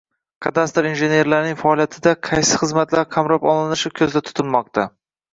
kadastr injenerlarining faoliyatida qaysi xizmatlar qamrab olinishi ko'zda tutilmoqda?